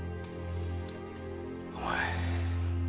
お前。